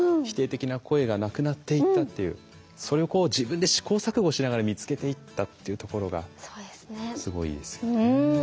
否定的な声がなくなっていったっていうそれをこう自分で試行錯誤しながら見つけていったっていうところがすごいいいですよね。